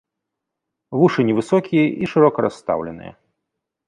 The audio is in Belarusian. Вушы невысокія і шырока расстаўленыя.